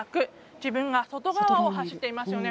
自分が外側を走っていますよね。